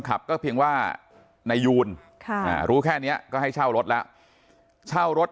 ขับก็เพียงว่านายยูนรู้แค่นี้ก็ให้เช่ารถแล้วเช่ารถ